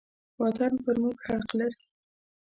وطن پر موږ حق لري.